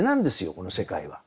この世界は。